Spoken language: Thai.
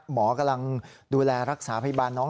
หมอกำลังดูแลรักษาพยาบาลน้อง